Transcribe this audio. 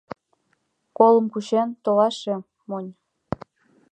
Колым кучен толаше, монь...